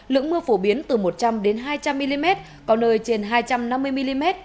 lượng mưa phổ biến từ một trăm linh hai trăm linh mm có nơi trên hai trăm năm mươi mm